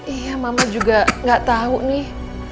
iya mama juga nggak tahu nih